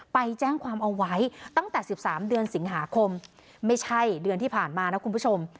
ไปแจ้งความเอาไว้ตั้งแต่๑๓เดือนสิงหาคมไม่ใช่เดือนที่ผ่านมานะคุณผู้ชม